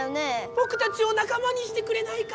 ぼくたちを仲間にしてくれないか？